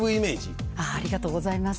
ありがとうございます。